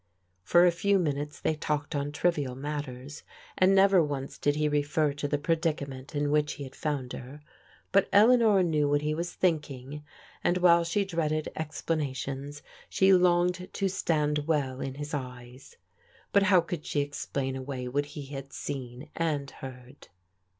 For a few minutes they talked on trivial matters, and never once did he refer to the predicament in which he had found her ; but Eleanor knew what he was thinking, and while she dreaded explanations, she longed to stand well in his eyes. But how could she explain away what he had seen and heard?